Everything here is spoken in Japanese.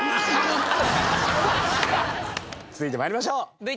続いて参りましょう。